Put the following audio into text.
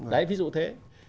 đấy ví dụ thế